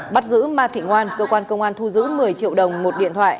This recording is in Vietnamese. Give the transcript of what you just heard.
bắt giữ ma thị ngoan cơ quan công an thu giữ một mươi triệu đồng một điện thoại